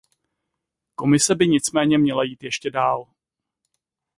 Komise by nicméně měla jít ještě dál.